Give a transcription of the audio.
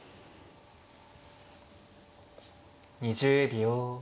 ２０秒。